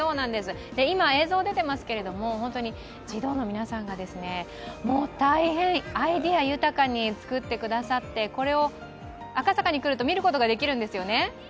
本当に児童の皆さんが大変アイデア豊かに作っていただいてこれを赤坂に来ると見ることができるんですよね？